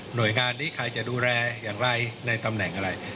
โดยงานนี้ใครจะดูแลอย่างไรในตำแหน่งอะไร